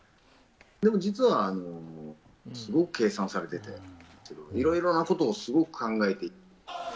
でも実は、すごく計算されてて、いろいろなことをすごく考えている。